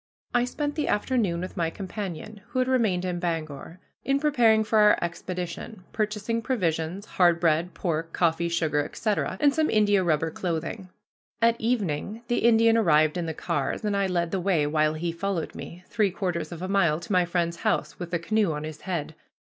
I spent the afternoon with my companion, who had remained in Bangor, in preparing for our expedition, purchasing provisions, hard bread, pork, coffee, sugar, etc., and some india rubber clothing. At evening the Indian arrived in the cars, and I led the way, while he followed me, three quarters of a mile to my friend's house, with the canoe on his head.